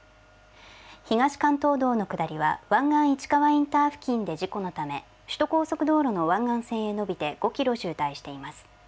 東関東道の下りは湾岸市川インター付近で事故のため、首都高速道路の湾岸線へ延びて５キロ渋滞しています。